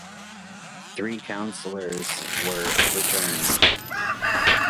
Three Councillors were returned.